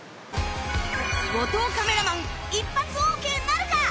後藤カメラマン一発オーケーなるか？